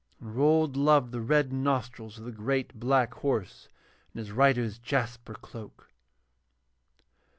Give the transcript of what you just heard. And Rold loved the red nostrils of the great black horse and his rider's jasper cloak.